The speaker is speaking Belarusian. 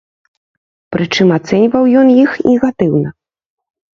Прычым ацэньваў ён іх негатыўна.